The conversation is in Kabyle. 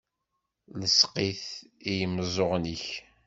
Lseq-it i yimeẓẓuɣen-ik!